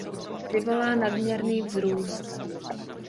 Vyvolá nadměrný vzrůst.